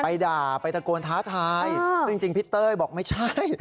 ด่าไปตะโกนท้าทายซึ่งจริงพี่เต้ยบอกไม่ใช่